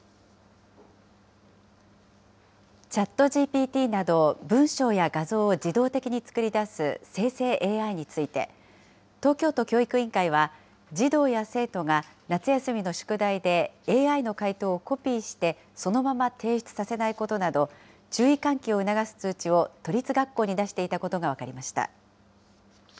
ＣｈａｔＧＰＴなど文章や画像を自動的に作り出す生成ＡＩについて、東京都教育委員会は、児童や生徒が夏休みの宿題で、ＡＩの回答をコピーしてそのまま提出させないことなど、注意喚起を促す通知を都立学校に出していたことが分かりました。